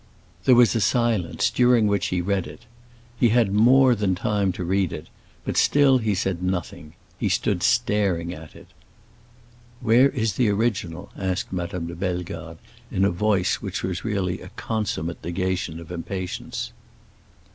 There was a silence, during which he read it. He had more than time to read it, but still he said nothing; he stood staring at it. "Where is the original?" asked Madame de Bellegarde, in a voice which was really a consummate negation of impatience.